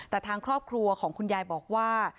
แต่ทางครอบครัวของคุณยายบอกว่า